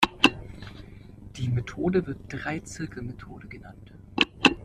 Die Methode wird Drei-Zirkelmethode genannt.